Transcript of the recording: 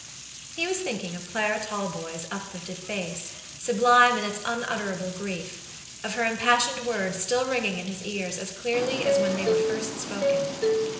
He was thinking of Clara Talboys' uplifted face, sublime in its unutterable grief; of her impassioned words still ringing in his ears as clearly as when they were first spoken.